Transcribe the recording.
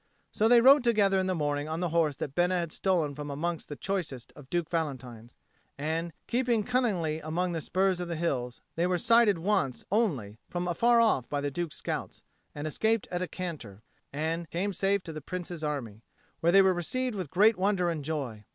So they rode together in the morning on the horse that Bena had stolen from among the choicest of Duke Valentine's, and, keeping cunningly among the spurs of the hills, they were sighted once only from afar off by the Duke's scouts, and escaped at a canter, and came safe to the Prince's army, where they were received with great wonder and joy.